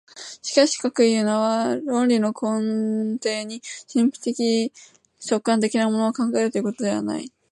しかしかくいうのは、論理の根底に神秘的直観的なものを考えるということではない。